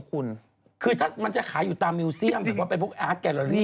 คุณคือถ้ามันจะขายอยู่ตามมิวเซียมสมมุติเป็นพวกอาร์ตแกลลารี่